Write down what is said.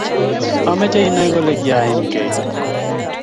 Ameche inai kole kiaimgei